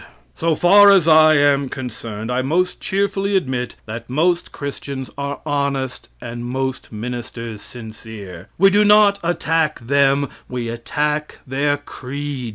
So far as I am concerned, I most cheerfully admit that most Christians are honest and most ministers sincere. We do not attack them; we attack their creed.